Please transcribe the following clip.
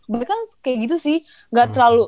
tapi kan kayak gitu sih nggak terlalu